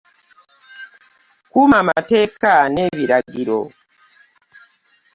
Kuma amateka n'eburagiro.